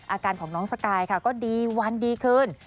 อาการของน้องสกายค่ะก็ดีวันดีคืน